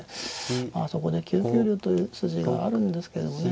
まあそこで９九竜という筋があるんですけどもね